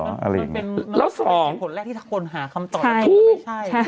มันก็เป็นคนแรกที่คนหาคำตอบไทรนี้ไม่ใช่